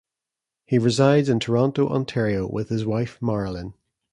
He resides in Toronto, Ontario with his wife Marilyn.